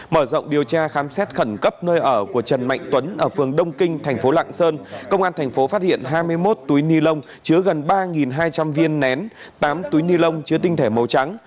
mở rộng điều tra khám xét khẩn cấp nơi ở của trần mạnh tuấn ở phường đông kinh thành phố lạng sơn công an thành phố phát hiện hai mươi một túi ni lông chứa gần ba hai trăm linh viên nén tám túi ni lông chứa tinh thể màu trắng